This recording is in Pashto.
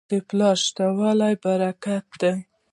د پلار شته والی برکت دی.